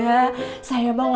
saya mau ambil pesanan makanan ya